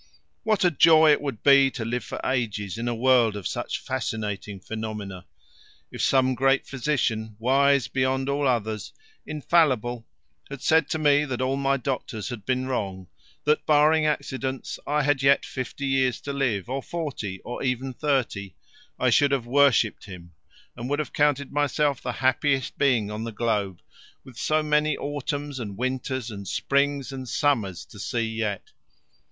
What a joy it would be to live for ages in a world of such fascinating phenomena! If some great physician, wise beyond all others, infallible, had said to me that all my doctors had been wrong, that, barring accidents, I had yet fifty years to live, or forty, or even thirty, I should have worshipped him and would have counted myself the happiest being on the globe, with so many autumns and winters and springs and summers to see yet.